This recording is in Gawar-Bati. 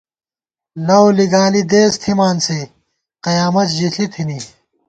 لَؤ لِگالی دېس تھِمان سے ، قیامت ژِݪی تھِنی